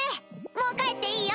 もう帰っていいよ！